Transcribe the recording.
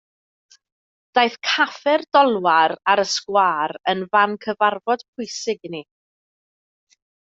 Daeth Caffe'r Dolwar ar y sgwâr yn fan cyfarfod pwysig i ni.